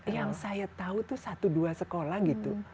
yang saya tahu tuh satu dua sekolah gitu